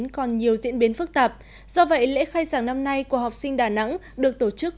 còn nhiều diễn biến phức tạp do vậy lễ khai giảng năm nay của học sinh đà nẵng được tổ chức